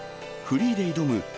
フリーで挑む